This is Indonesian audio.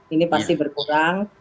ini pasti berkurang